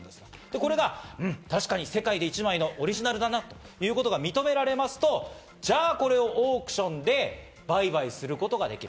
これが確かに世界で１枚のオリジナルだなということが認められますと、じゃあこれをオークションで売買することができる。